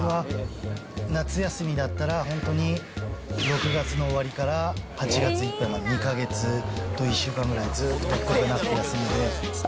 夏休みだったら本当に６月の終わりから８月いっぱいまで２か月と１週間ぐらいずっと学校が休みで。